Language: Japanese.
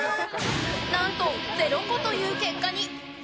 何と０個という結果に。